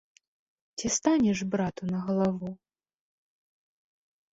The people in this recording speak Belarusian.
Ці станеш брату на галаву?